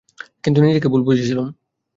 কিন্তু নিজেকে ভুল বুঝেছিলুম।